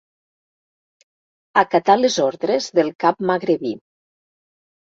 Acatà les ordres del cap magrebí.